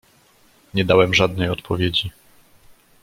"Nie dałem żadnej odpowiedzi."